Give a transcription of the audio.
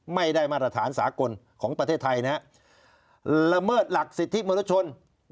ไม่ได้มาตรฐานสากลของประเทศไทยนะฮะละเมิดหลักสิทธิมนุษยชน